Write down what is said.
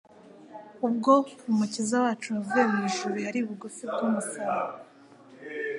Ubwo Umukiza wacu wavuye mu ijuru yari bugufi bw'umusaraba.